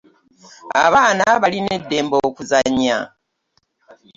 Abaana balina eddembe okuzannya.